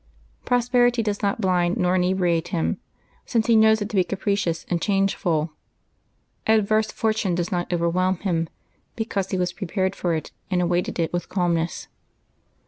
Prosperity does not blind nor inebriate him, since he knows it to be capricious and changeful; adverse fortune does not overwhelm him, because he was prepared for it and awaited it with calm ness.